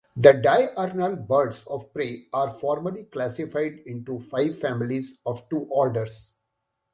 The diurnal birds of prey are formally classified into five families of two orders.